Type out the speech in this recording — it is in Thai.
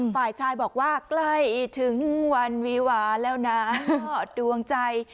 ฝ่ายชายบอกว่าใกล้ถึงวันวิวาแล้วนะดวงใจ